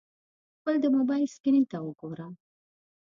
خپل د موبایل سکرین ته وګوره !